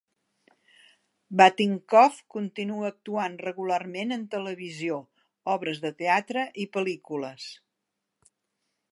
Batinkoff continua actuant regularment en televisió, obres de teatre i pel·lícules.